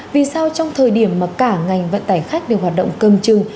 vì sao trong thời điểm mà cả ngành vận tải khách đều hoạt động cầm chừng